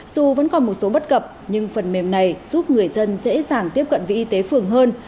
dù vẫn còn một số bất cập nhưng phần mềm này giúp người dân dễ dàng tiếp cận với y tế phường hơn